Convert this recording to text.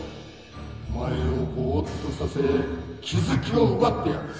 お前をボーっとさせ気付きを奪ってやる。